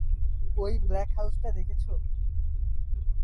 ঐ ব্লকহাউসটা দেখেছো?